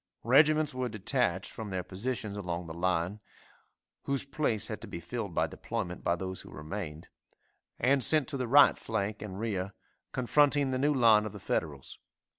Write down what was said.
Regiments were detached from their positions along the line (whose place had to be filled by deployment by those who remained) and sent to the right flank and rear, confronting the new line of the Federals.